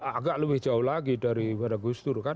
agak lebih jauh lagi dari para gustur kan